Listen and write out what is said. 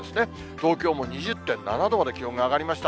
東京も２０．７度まで気温が上がりました。